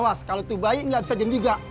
awas kalau itu bayi gak bisa diem juga